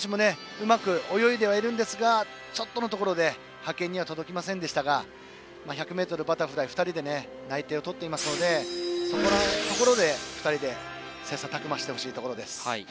うまく泳いではいますがちょっとのところで派遣には届きませんでしたが１００ｍバタフライ２人で内定を取っていますので２人で切さたく磨してほしいです。